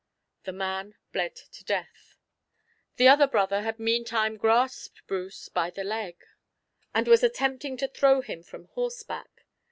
The man bled to death. The other brother had meantime grasped Bruce by the leg, and was attempting to throw him from horseback.